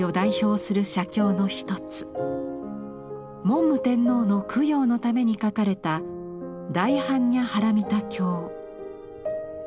文武天皇の供養のために書かれた「大般若波羅蜜多経」。